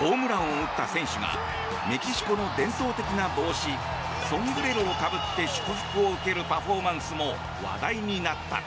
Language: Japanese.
ホームランを打った選手がメキシコの伝統的な帽子ソンブレロをかぶって祝福を受けるパフォーマンスも話題になった。